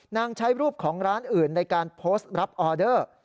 ใช้รูปของร้านอื่นในการโพสต์รับออเดอร์